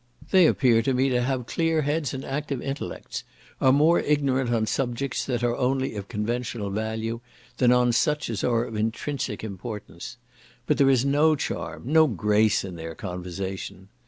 They appear to me to have clear heads and active intellects; are more ignorant on subjects that are only of conventional value, than on such as are of intrinsic importance; but there is no charm, no grace in their conversation.